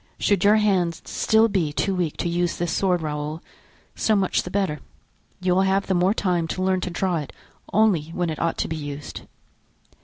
Should your hand still be too weak to use this sword, Raoul, so much the better. You will have the more time to learn to draw it only when it ought to be used."